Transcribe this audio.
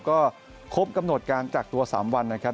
ก็ครบกำหนดการกักตัว๓วันนะครับ